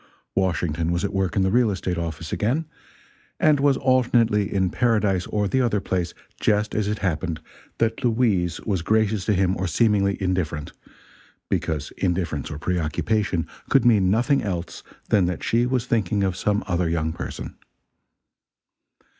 Washington was at work in the real estate office again, and was alternately in paradise or the other place just as it happened that Louise was gracious to him or seemingly indifferent because indifference or preoccupation could mean nothing else than that she was thinking of some other young person.